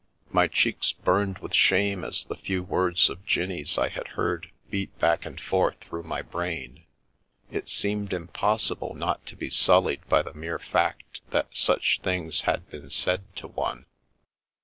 My cheeks burned with shame as the few words of Jinnie's I had heard beat back and forth through my brain ; it seemed im possible not to be sullied by the mere fact that such things had been said to one.